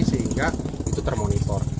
sehingga itu termonitor